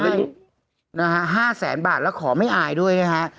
มันอย่างฮแสนบาทแล้วขอไม่อายด้วยนะคะ